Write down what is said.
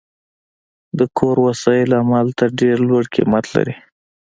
د کور وسایل هم هلته ډیر لوړ قیمت لري